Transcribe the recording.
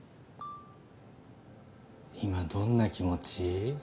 今どんな気持ち？